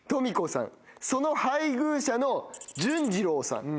その配偶者の順次郎さん。